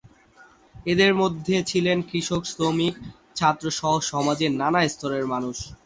এদের মধ্যে ছিলেন কৃষক, শ্রমিক, ছাত্র সহ সমাজের নানা স্তরের মানুষ।